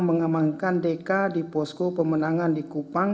mengamankan deka di posko pemenangan di kupang